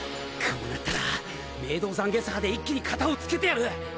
こうなったら冥道残月破で一気に片をつけてやる！